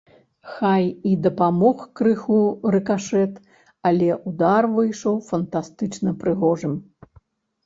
Хай і дапамог крыху рыкашэт, але ўдар выйшаў фантастычна прыгожым.